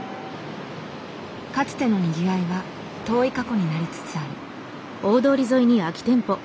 かつてのにぎわいは遠い過去になりつつある。